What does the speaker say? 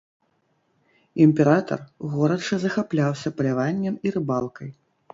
Імператар горача захапляўся паляваннем і рыбалкай.